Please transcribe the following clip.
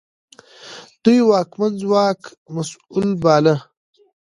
دوی واکمن ځواک مسوول باله.